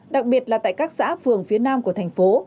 đặc biệt là tại các xã phường phía nam của thành phố